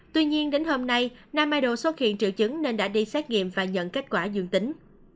tuy nhiên đến hôm nay nam maido xuất hiện triệu chứng nên đã đi xét nghiệm và nhận kết quả dương tính